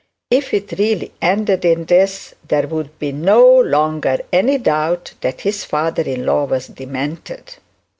If it really ended in this, there would be no longer any doubt that his father in law was demented.